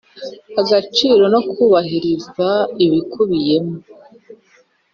Agaciro no kubahiriza ibikubiyemo